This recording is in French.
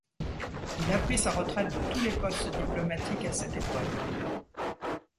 Il a pris sa retraite de tous les postes diplomatiques à cette époque.